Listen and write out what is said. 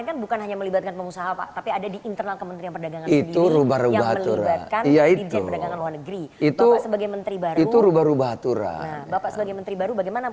itu itu sebagai menteri baru itu rubah rubah aturan bapak sebagai menteri baru bagaimana